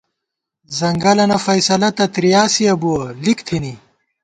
ځنگَلَنہ فیصَلہ تہ ترِیاسِیَہ بُوَہ ، لِک تھنی